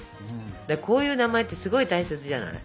こういう名前ってすごい大切じゃない？